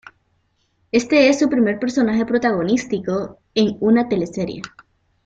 Este es su primer personaje protagónico en una teleserie.